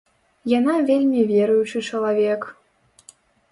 Яна вельмі веруючы чалавек.